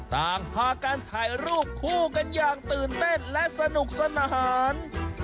ต่างพากันถ่ายรูปคู่กันอย่างตื่นเต้นและสนุกสนาน